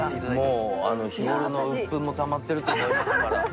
もう日頃のうっぷんもたまってると思いますから。